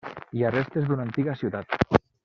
Hi ha restes d'una antiga ciutat.